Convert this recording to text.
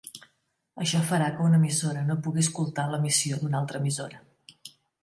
Això farà que una emissora no pugui "escoltar" l'emissió d'una altra emissora.